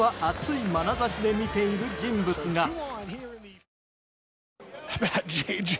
熱いまなざしで見ている人物が。